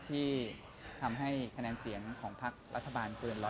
ที่ทำให้คะแนนเสียงของพักรัฐบาลเกิน๑๐๐